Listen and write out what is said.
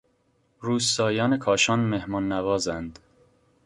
روستائیان کاشان مهمان نوازند.